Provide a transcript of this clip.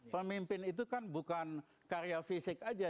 pemimpin itu kan bukan karya fisik aja